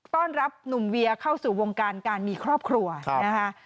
ต้อนรับหนุ่มเวียเข้าสู่วงการการมีครอบครัวนะคะ